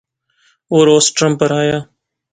او روسٹرم اپر آیا